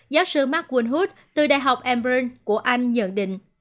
giáo sư mark wynhut từ đại học edinburgh của anh nhận định